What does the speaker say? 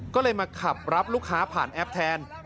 ก็เลยมาขับรับลูกค้าผ่านแอปแทน